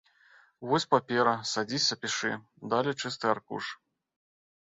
Вось папера, садзіся пішы, далі чысты аркуш.